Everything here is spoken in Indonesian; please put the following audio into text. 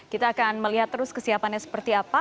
kita akan melihat terus kesiapannya seperti apa